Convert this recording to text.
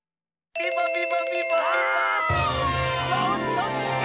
そっちか！